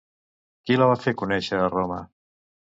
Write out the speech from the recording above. Qui la va fer conèixer a Roma?